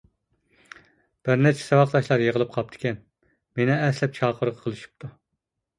— بىرنەچچە ساۋاقداشلار يىغىلىپ قاپتىكەن، مېنى ئەسلەپ چاقىرغۇ قىلىشىپتۇ.